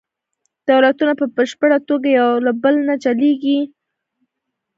دولتونه په بشپړه توګه یو له بل نه جلیږي